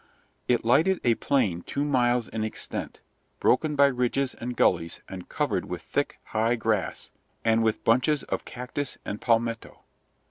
It lighted a plain two miles in extent, broken by ridges and gullies and covered with thick, high grass, and with bunches of cactus and palmetto.